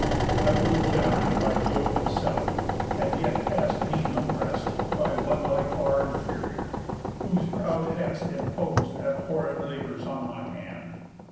I was generate By Jove himself, and yet past mean opprest By one my far inferior, whose proud hest Impos'd abhorréd labours on my hand.